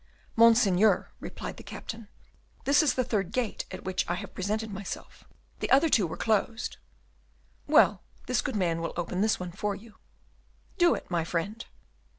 "Monseigneur," replied the Captain, "this is the third gate at which I have presented myself; the other two were closed." "Well, this good man will open this one for you; do it, my friend."